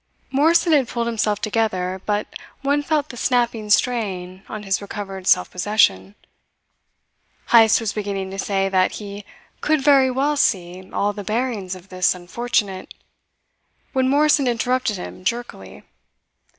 Morrison had pulled himself together, but one felt the snapping strain on his recovered self possession. Heyst was beginning to say that he "could very well see all the bearings of this unfortunate " when Morrison interrupted him jerkily.